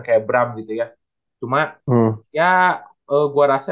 kayak bram gitu ya cuma ya gue rasa